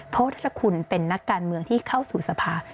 เพราะถ้าคุณเป็นนักการเมืองที่เข้าสู่สภา